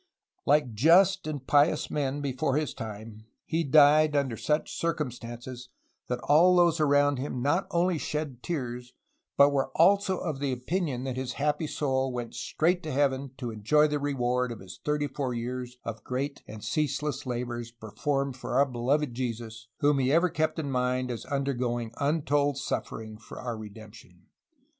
Like just and pious men before his time, he died under such circumstances that all those around him not only shed tears but were also of the opinion that his happy soul went straight to Heaven to enjoy the reward of his thirty four years of great and ceaseless labors, performed for our beloved Jesus, whom he ever kept in mind as undergoing untold suffering for our redemption.